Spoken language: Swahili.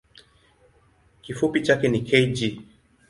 Kifupi chake ni kg.